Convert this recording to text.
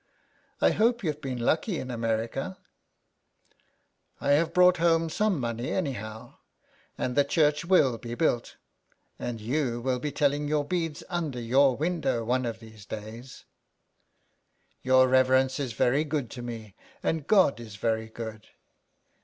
I hope you've been lucky in America ?"" I have brought home some money anyhow, and the church will be built, and you will tell your beads under your window one of these days." ^' Your reverence is very good to me, and God is very good."